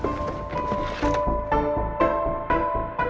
biar gak telat